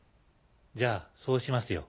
じゃあそうしますよ。